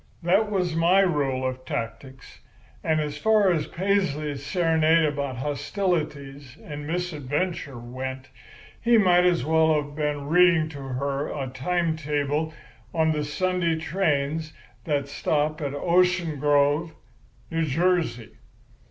That was my rule of tactics; and as far as Paisley's serenade about hostilities and misadventure went, he might as well have been reading to her a time table of the Sunday trains that stop at Ocean Grove, New Jersey.